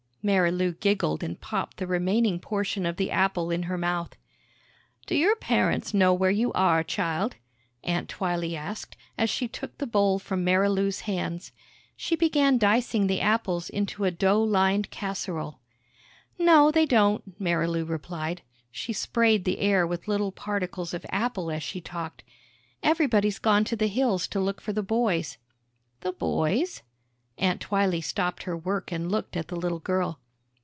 Marilou giggled and popped the remaining portion of the apple in her mouth. "Do your parents know where you are, child?" Aunt Twylee asked, as she took the bowl from Marilou's hands. She began dicing the apples into a dough lined casserole. "No, they don't," Marilou replied. She sprayed the air with little particles of apple as she talked. "Everybody's gone to the hills to look for the boys." "The boys?" Aunt Twylee stopped her work and looked at the little girl.